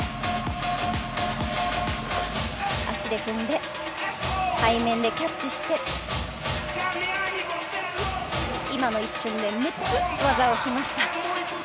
足で踏んで、背面でキャッチして、今の一瞬で６つ技をしました。